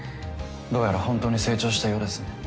どうやらほんとに成長したようですね。